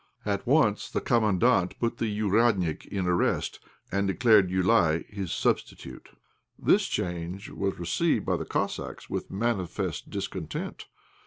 At once the Commandant put the "ouriadnik" in arrest, and declared Joulaï his substitute. This change was received by the Cossacks with manifest discontent.